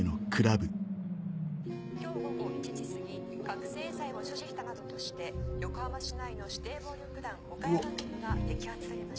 今日午後１時過ぎ覚醒剤を所持したなどとして横浜市内の指定暴力団岡山組が摘発されました。